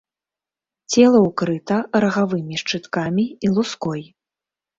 Цела ўкрыта рагавымі шчыткамі і луской.